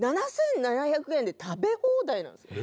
７７００円で食べ放題なんですよ